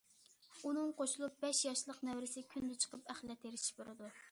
ئۇنىڭغا قوشۇلۇپ بەش ياشلىق نەۋرىسى كۈندە چىقىپ ئەخلەت تېرىشىپ بېرىدۇ.